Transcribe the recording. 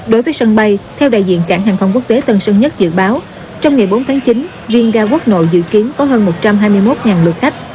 đối với sân bay theo đại diện cảng hàng không quốc tế tân sơn nhất dự báo trong ngày bốn tháng chín riêng ga quốc nội dự kiến có hơn một trăm hai mươi một lượt khách